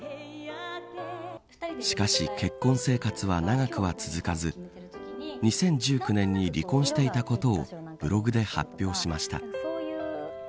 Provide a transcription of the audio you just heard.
しかし、結婚生活は長くは続かず２０１９年に離婚していたことをブログで発表しました。